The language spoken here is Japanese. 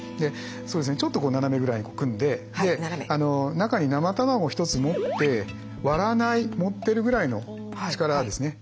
ちょっと斜めぐらいに組んで中に生卵を一つ持って割らない持ってるぐらいの力ですね。